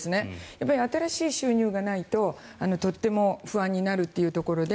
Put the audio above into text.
やっぱり新しい収入がないととっても不安になるというところで